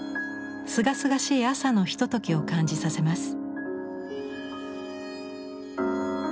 すがすがしい朝のひとときを感じさせます。